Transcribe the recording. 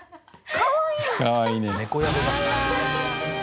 かわいいね。